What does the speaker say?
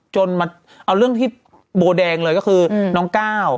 จนมาเอาเรื่องที่โบแดงเลยก็คือน้องก้าว